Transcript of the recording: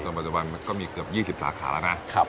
ปัจจุบันมันก็มีเกือบ๒๐สาขาแล้วนะ